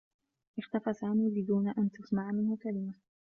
اختفى سامي بدون أن تُسمع منه كلمة.